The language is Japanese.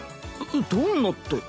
どんなって。